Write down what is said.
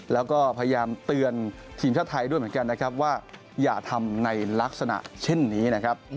แล้วก็พยายามเตือนทีมชาติไทยด้วยเหมือนกันนะครับว่าอย่าทำในลักษณะเช่นนี้นะครับ